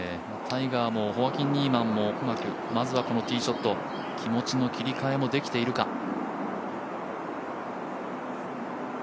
タイガーもホアキン・ニーマンもまずはこのティーショット気持ちの切り替えもできているか。